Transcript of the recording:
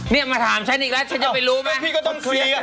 นี่มาถามฉันอีกแล้วฉันจะไปรู้ไหม